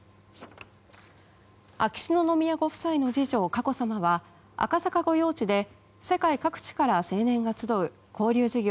秋篠宮ご夫妻の次女佳子さまは赤坂御用地で世界各地から青年が集う交流事業